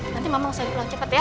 nanti mama usah pulang cepet ya